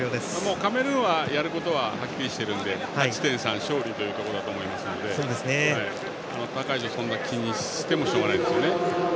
カメルーンはやることははっきりしているので勝ち点３勝利ということだと思いますので他会場をそんなに気にしてもしょうがないですね。